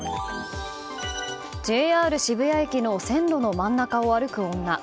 ＪＲ渋谷駅の線路の真ん中を歩く女。